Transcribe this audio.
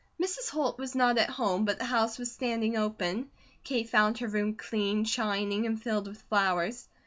Mrs. Holt was not at home, but the house was standing open. Kate found her room cleaned, shining, and filled with flowers.